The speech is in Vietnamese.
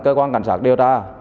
cơ quan cảnh sát điều tra